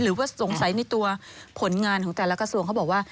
หรือว่าสงสัยในตัวผลงานของแต่ละกระทรวงเขาบอกว่า